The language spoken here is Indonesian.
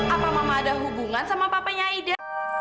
apa mama ada hubungan sama papanya ida